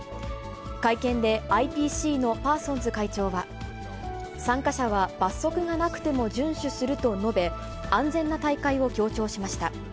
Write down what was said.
会見でＩＰＣのパーソンズ会長は、参加者は罰則がなくても順守すると述べ、安全な大会を強調しました。